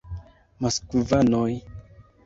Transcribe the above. Moskvanoj!